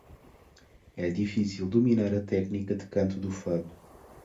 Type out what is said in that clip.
É difícil dominar a técnica de canto do fado.